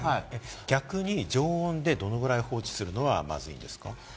逆に常温でどのぐらい放置するのがまずいんですか？